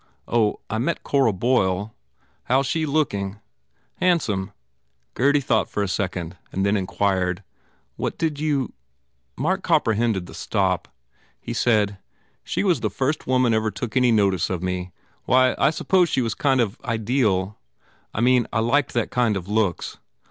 Oh, I met Cora Boyle." "How s she looking?" "Handsome." Gurdy thought for a second and then inquired. "What did you " Mark comprehended the stop. He said, "She was the first woman ever took any notice of me. Why, I suppose she was a kind of ideal. I mean, I liked that kind of looks.